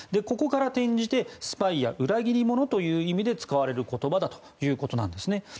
ここから転じてスパイや裏切り者という意味で使われる言葉だということです。